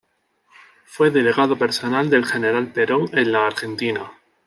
Fue delegado personal del General Perón en la Argentina.